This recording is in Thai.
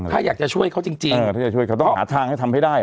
เนี่ยถ้าอยากจะช่วยเขาจริงต้องหาทางอะไรทำให้ได้